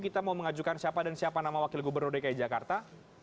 kita mau mengajukan siapa dan siapa nama wakil gubernur dki jakarta